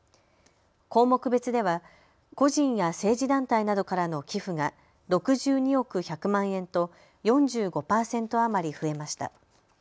項目別では個人や政治団体などからの寄付が６２億１００万円と４５％余り増えました。